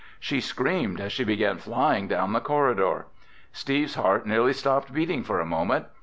She screamed as she began flying down the corridor. Steve's heart nearly stopped beating for a moment.